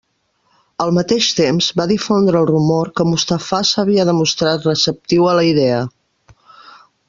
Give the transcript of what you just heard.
Al mateix temps, va difondre el rumor que Mustafà s'havia demostrat receptiu a la idea.